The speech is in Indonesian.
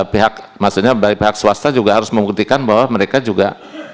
pihak maksudnya dari pihak swasta juga harus membuktikan bahwa mereka juga